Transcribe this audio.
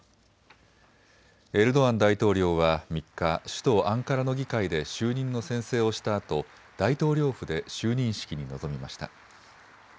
エルドアン大統領は３日、首都アンカラの議会で就任の宣誓をしたあと大統領府で就任式に臨みました。